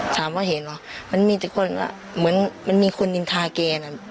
ถามว่าเห็นหรอมันมีแต่คนมันมีคนลินทาเกรียร์น่ะ